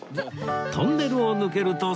トンネルを抜けるとそこは